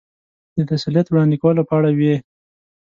د تسلیت وړاندې کولو په اړه وې.